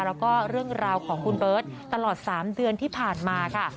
แล้วก็เรื่องราวของคุณเบิร์ตตลอด๓เดือนที่ผ่านมาค่ะ